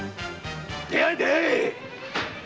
出会え出会え‼